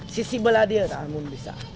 sisi belah dia tidak bisa